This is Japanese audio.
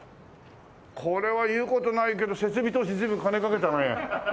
これは言う事ないけど設備投資随分金かけたね。